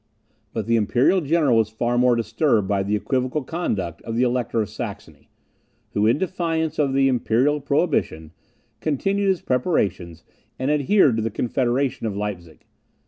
But the imperial general was far more disturbed by the equivocal conduct of the Elector of Saxony, who, in defiance of the imperial prohibition, continued his preparations, and adhered to the confederation of Leipzig.